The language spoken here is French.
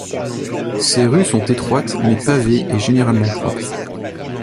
Ses rues sont étroites mais pavées et généralement propres.